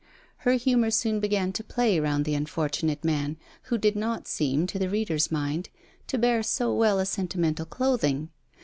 Her humour soon began to play round the fortunate man, who did not seem, to the reader's mind, to bear so well a sentimental clothing.